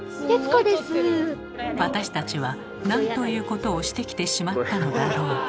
私たちは何ということをしてきてしまったのだろう。